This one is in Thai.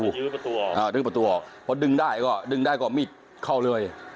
ยื้อประตูออกดึงประตูออกเพราะดึงได้ก็ดึงได้ก็มิดเข้าเลย